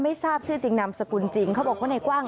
ทราบชื่อจริงนามสกุลจริงเขาบอกว่าในกว้าง